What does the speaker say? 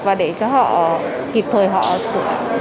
và để cho họ kịp thời họ sửa